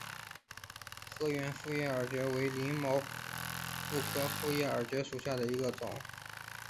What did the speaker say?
河源复叶耳蕨为鳞毛蕨科复叶耳蕨属下的一个种。